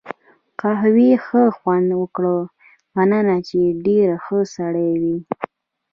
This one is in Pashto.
قهوې ښه خوند وکړ، مننه، چې ډېر ښه سړی وې.